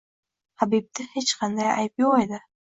Habibda hech qanday ayb yoʻq edi.